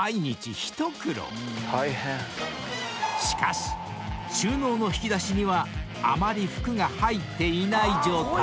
［しかし収納の引き出しにはあまり服が入っていない状態］